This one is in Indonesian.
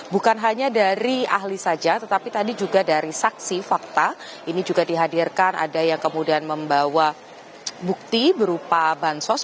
bukan hanya dari ahli saja tetapi tadi juga dari saksi fakta ini juga dihadirkan ada yang kemudian membawa bukti berupa bansos